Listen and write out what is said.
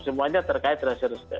semuanya terkait reseris